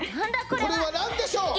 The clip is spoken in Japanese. これは何でしょう？